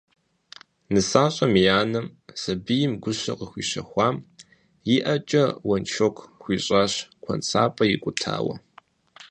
Нысащӏэм и анэм, сэбийм гущэ къыхуищэхуам, и ӏэкӏэ уэншэку хуищӏащ куэнсапӏэ икӏутауэ.